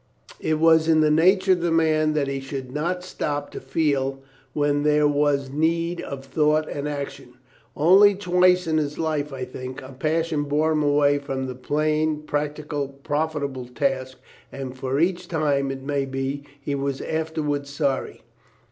It was in the nature of the man that he should not stop to feel when there was need of thought and action. Only twice in his life, I think, a passion bore him away from the plain, practical, profitable task, and for each time, it may be, he was afterwards sorry.